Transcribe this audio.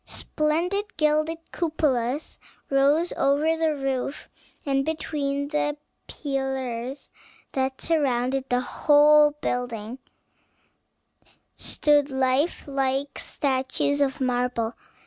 Splendid gilded cupolas rose over the roof, and between the pillars that surrounded the whole building stood life like statues of marble.